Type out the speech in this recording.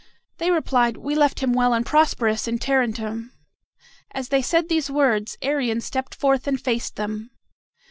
They replied, "We left him well and prosperous in Tarentum." As they said these words, Arion stepped forth and faced them.